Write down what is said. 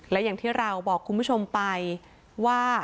และอย่างที่เราบอกคุณผู้ชมไปว่า